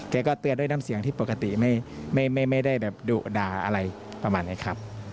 ก็เตือนด้วยน้ำเสียงที่ปกติไม่ได้แบบดุด่าอะไรประมาณนี้ครับ